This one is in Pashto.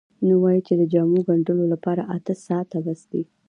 نو وایي چې د جامو ګنډلو لپاره اته ساعته بس دي.